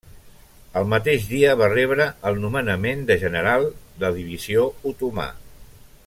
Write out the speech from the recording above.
El mateix dia va rebre el nomenament de general de divisió otomà.